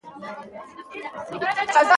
په سفیر واچوله.